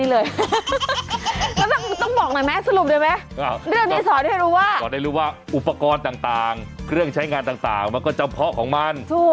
แล้วต้องบอกหน่อยไหมสรุปได้ไหมเรื่องนี้สอนให้รู้ว่าอุปกรณ์ต่างเครื่องใช้งานต่างมันก็เจ้าเพราะของมัน